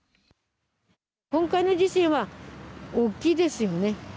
今回の地震は大きいですよね。